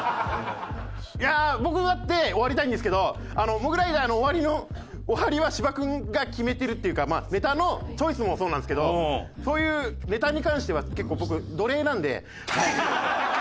いやあ僕だって終わりたいんですけどあのモグライダーの終わりは芝君が決めてるっていうかまあネタのチョイスもそうなんですけどそういうネタに関しては結構僕奴隷なのではい。